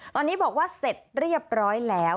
ตอนนี้บอกว่าเสร็จเรียบร้อยแล้ว